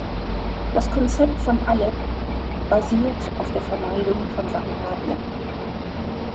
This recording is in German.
Das Konzept von Aleph basiert auf der Vermeidung von Variablen.